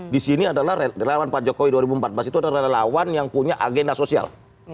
di sini adalah relawan pak jokowi dua ribu empat belas itu adalah relawan yang punya agenda sosial